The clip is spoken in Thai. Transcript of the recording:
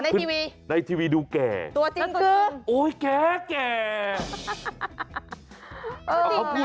หรอในทีวีตัวจริงคือในทีวีดูแก่